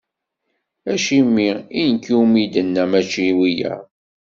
Acimi i nekk umi d-inna mačči i wiyiḍ?